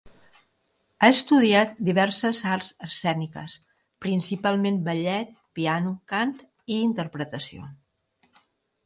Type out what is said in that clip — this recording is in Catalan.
Ha estudiat diverses arts escèniques, principalment ballet, piano, cant i interpretació.